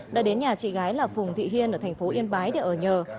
đã đến nhà chị gái là phùng thị hiên ở tp yên bái để ở nhờ